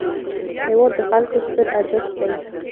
هېواد د خلکو ستر ارزښت دی.